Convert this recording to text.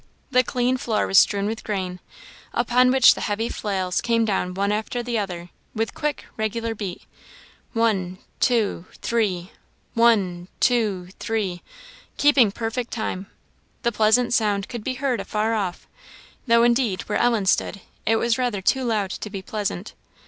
The clean floor was strewn with grain, upon which the heavy flails came down one after another, with quick, regular beat one two three one two three, keeping perfect time. The pleasant sound could be heard afar off; though, indeed, where Ellen stood, it was rather too loud to be pleasant.